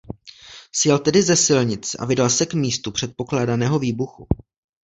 Sjel tedy ze silnice a vydal se k místu předpokládaného výbuchu.